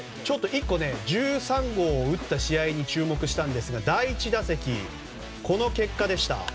１個、１３号を打った試合に注目したんですが第１打席、この結果でした。